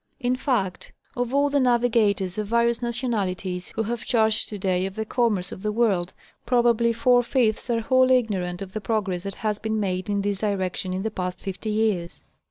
In fact, of all the navigators of various nationalities who have charge to day of the commerce of the world, probably four fifths are wholly ignorant of the progress that has been made in this direction in the past fifty years.